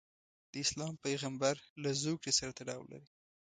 د اسلام پیغمبرله زوکړې سره تړاو لري.